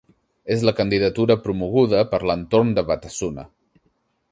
És la candidatura promoguda per l'entorn de Batasuna.